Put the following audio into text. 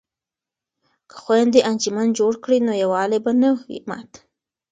که خویندې انجمن جوړ کړي نو یووالی به نه وي مات.